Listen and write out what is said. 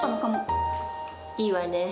いいわね。